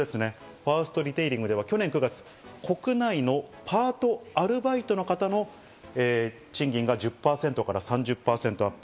ファーストリテイリングでは去年９月、国内のパート・アルバイトの方の賃金が１０％から３０％アップ。